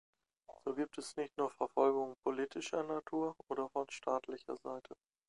So gibt es nicht nur Verfolgungen politischer Natur oder von staatlicher Seite.